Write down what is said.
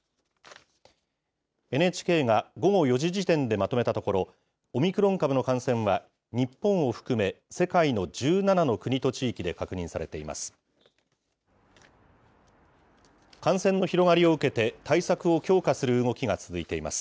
ＮＨＫが午後４時時点でまとめたところ、オミクロン株の感染は、日本を含め世界の１７の国と地域で確認されています。